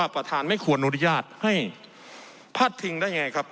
ประธานไม่ควรอนุญาตให้พาดพิงได้ไงครับ